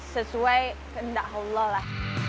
sesuai kehendak allah lah